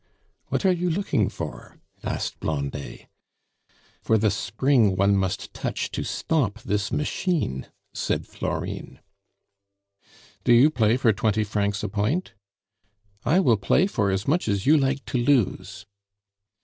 "What are you looking for?" asked Blondet. "For the spring one must touch to stop this machine," said Florine. "Do you play for twenty francs a point?" "I will play for as much as you like to lose."